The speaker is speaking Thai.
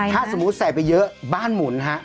ถ้าสมมุติใส่ไปเยอะบ้านหมุนฮะ